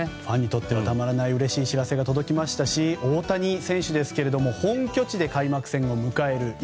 ファンにとってはたまらないうれしい知らせが届きましたし大谷選手ですが本拠地で開幕戦を迎える。